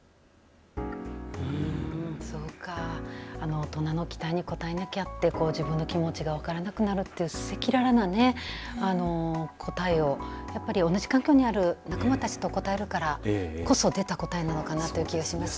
大人の期待に応えなきゃと自分の気持ちが分からなくなるって赤裸々な答えを同じ環境にある仲間たちと答えるからこそ出た答えなのかなという気がしますね。